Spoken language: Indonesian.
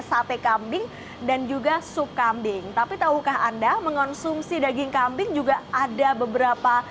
sate kambing dan juga sup kambing tapi tahukah anda mengonsumsi daging kambing juga ada beberapa